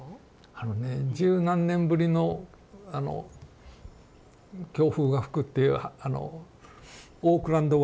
あのね十何年ぶりの強風が吹くっていうあのオークランド湾。